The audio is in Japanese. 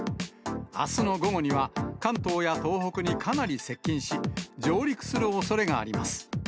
あすの午後には関東や東北にかなり接近し、上陸するおそれがあります。